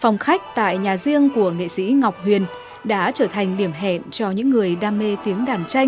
phòng khách tại nhà riêng của nghệ sĩ ngọc huyền đã trở thành điểm hẹn cho những người đam mê tiếng đàn tranh